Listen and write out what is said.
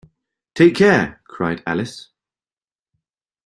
‘Take care!’ cried Alice.